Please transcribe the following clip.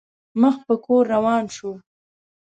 مخ په کور روان شوم.